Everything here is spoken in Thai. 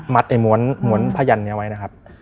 มัดไอ้หมวนหมุนผ้ายันเนี่ยไว้นะครับ